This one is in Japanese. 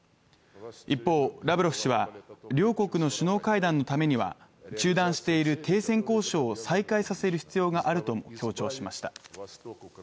一方、ラブロフ氏は両国の首脳会談のためには中断している停戦交渉を再開させる必要があると強調しました。